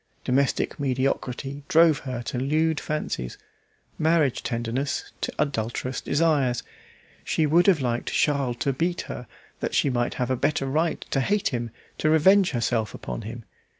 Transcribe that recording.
Domestic mediocrity drove her to lewd fancies, marriage tenderness to adulterous desires. She would have liked Charles to beat her, that she might have a better right to hate him, to revenge herself upon him.